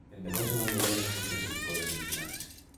El mejor segundo de la fase clasificó a las semifinales.